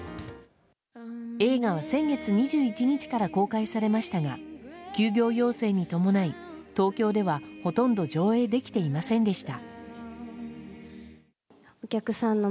映画は先月２１日から公開されましたが休業要請に伴い、東京ではほとんど上映できていませんでした。